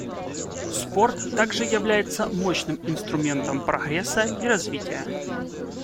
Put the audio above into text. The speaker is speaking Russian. Спорт также является мощным инструментом прогресса и развития.